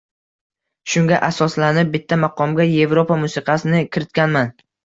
Shunga asoslanib, bitta maqomga yevropa musiqasini kiritganman.